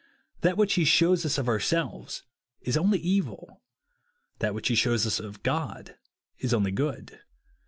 That which he shews us of ourselves is only evil ; that which he shews us of God is only good.